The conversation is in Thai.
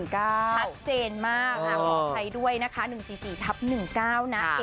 ชัดเจนมากขออภัยด้วยนะคะ๑๔๔ทับ๑๙นะ